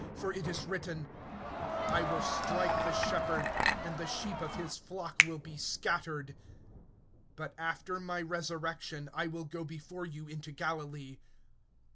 For it is written: I will smite the Shepherd, and the sheep of the flock shall be scattered abroad. (32)But after I have risen, I will go before you into Galilee.